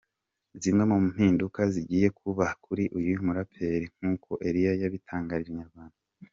Zimwe mu mpinduka zigiye kuba kuri uyu muraperi nkuko Eliel yabitangarije Inyarwanda.